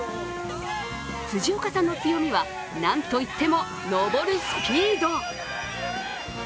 辻岡さんの強みは、なんといっても登るスピード。